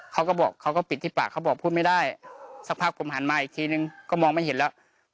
เขาก็บอกเขาก็ปิดที่ปากเขาบอกพูดไม่ได้สักพักผมหันมาอีกทีนึงก็มองไม่เห็นแล้ว